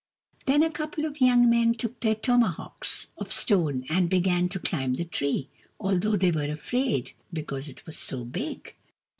Then a couple of young men took their tomahawks of stone and began to climb the tree, although they were afraid, because it was so big.